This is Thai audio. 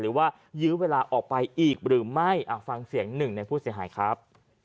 หรือว่ายื้อเวลาออกไปอีกหรือไม่ฟังเสียงหนึ่งในผู้เสียหายครับ